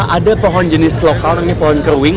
ada pohon jenis lokal namanya pohon keruing